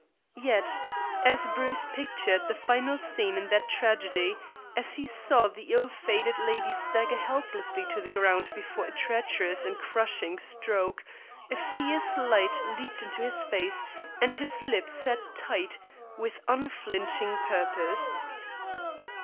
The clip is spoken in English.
Yet as Bruce pictured the final scene in that tragedy, as he saw the ill fated lady stagger helplessly to the ground before a treacherous and crushing stroke, a fierce light leaped into his face, and his lips set tight with unflinching purpose.